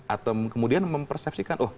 atau kemudian mempersepsikan